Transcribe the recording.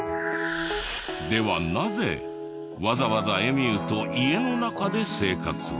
ではなぜわざわざエミューと家の中で生活を？